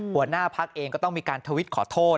หัวหน้าพักเองก็ต้องมีการทวิตขอโทษ